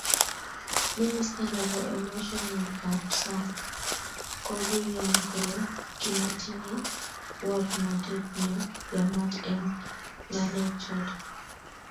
Minister nebo emotinweekab sang kokoiyan kole kimatinyei baornatet ne yamat eng ng'alechotok.